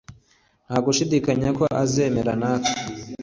Nta gushidikanya ko azemera natwe